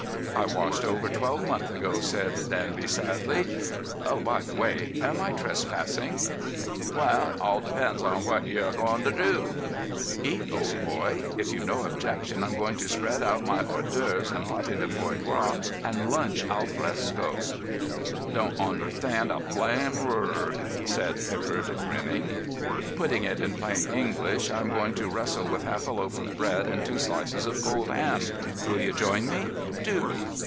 "I washed over twelve months ago," said Danby sadly. "Oh, by the way, am I trespassing?" "Well, it all depends on wot ye're a goin' ter do." "Eat, old boy. If you've no objection I'm going to spread out my hors d'œuvres and pâté de foie gras, and lunch al fresco." "Don't onderstand a blame wurd," said Pippard, grinning. "Putting it in plain English, I'm going to wrestle with half a loaf of bread and two slices of cold ham. Will you join me? Do."